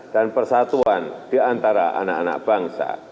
dan persatuan di antara anak anak bangsa